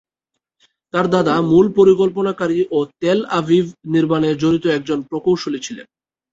তার দাদা মূল পরিকল্পনাকারী ও তেল আভিভ নির্মাণে জড়িত একজন প্রকৌশলী ছিলেন।